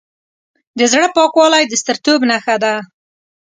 د زړه پاکوالی د سترتوب نښه ده.